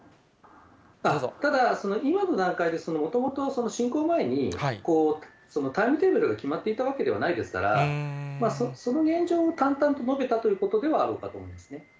ただ、今の段階で、もともと侵攻前に、タイムテーブルが決まっていたわけではないですから、その現状を淡々と述べたということではあろうかと思いますね。